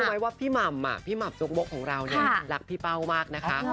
ไว้ว่าพี่หม่ำพี่หม่ำจุ๊กมกของเราเนี่ยรักพี่เป้ามากนะคะ